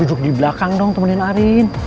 duduk di belakang dong temenin arin